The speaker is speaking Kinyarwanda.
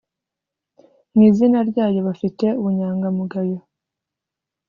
mu izina ryayo bafite ubunyangamugayo